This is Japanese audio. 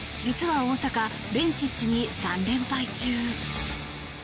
実は、大坂ベンチッチに３連敗中。